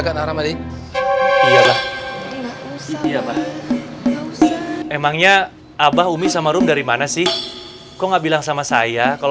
kak naramadi iyalah iya emangnya abah umi sama rum dari mana sih kok nggak bilang sama saya kalau